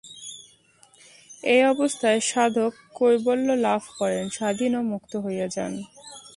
এই অবস্থায় সাধক কৈবল্য লাভ করেন, স্বাধীন ও মুক্ত হইয়া যান।